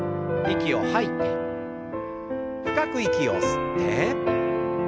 息を吐いて深く息を吸って。